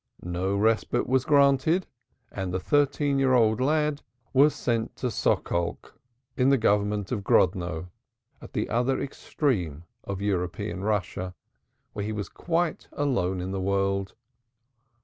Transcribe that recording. No respite was granted and the thirteen year old lad was sent to Sokolk in the Government of Grodno at the other extreme of European Russia, where he was quite alone in the world.